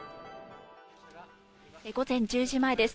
午前１０時前です。